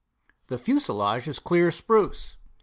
The fuselage is clear spruce.